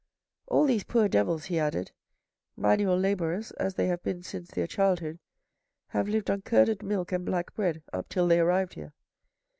" All these poor devils," he added, " manual labourers as they have been since their childhood, have lived on curded milk and black bread up till they arrived here.